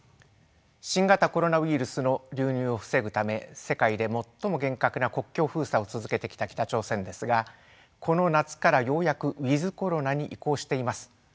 新型コロナウイルスの流入を防ぐため世界で最も厳格な国境封鎖を続けてきた北朝鮮ですがこの夏からようやくウィズコロナに移行しています。